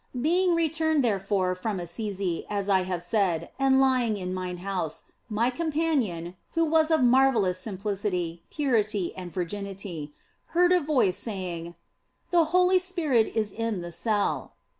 Being returned, therefore, from Assisi, as I have said, and lying in mine house, my companion (who was of marvellous simplicity, purity, and virginity) heard a voice saying, " The Holy Spirit is in the cell."